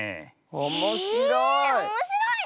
おもしろい！